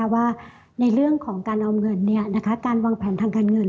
ว่าในเรื่องของการออมเงินการวางแผนทางการเงิน